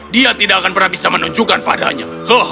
dia tidak akan pernah bisa menunjukkan padanya